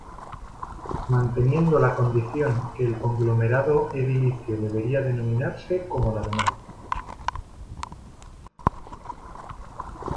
Manteniendo la condición que el conglomerado edilicio debería denominarse como la donante.